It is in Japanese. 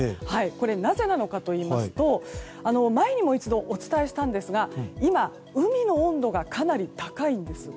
なぜなのかといいますと前にも一度、お伝えしたんですが今、海の温度がかなり高いんです。